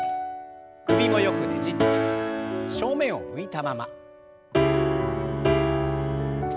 首もよくねじって正面を向いたまま。